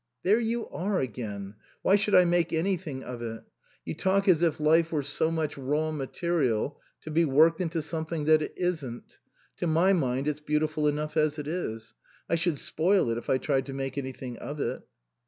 " There you are again. Why should I make anything of it? You talk as if life were so much raw material to be worked into some thing that it isn't. To my mind it's beautiful enough as it is. I should spoil it if I tried to make anything of it."